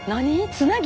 つなぎ？